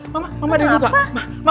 mama ada yang lupa